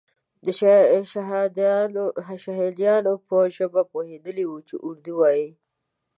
د شهادیانو په ژبه پوهېدلی وو چې اردو وایي.